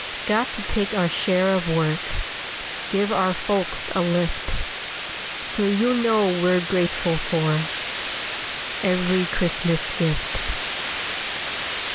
Got to take our share of work, Give our folks a lift. So you'll know we're grateful for Every Christmas gift.